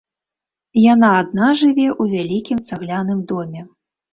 Яна адна жыве ў вялікім цагляным доме.